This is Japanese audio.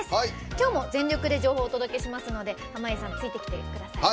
きょうも全力で情報をお伝えしますので濱家さんもついてきてください。